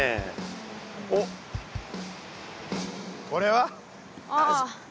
おっこれは？ああ。